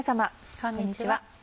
こんにちは。